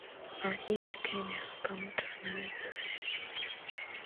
aji ya kenya hapa mtu anaweza sema